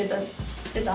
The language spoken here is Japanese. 知ってた？